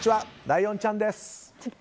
ライオンちゃんです。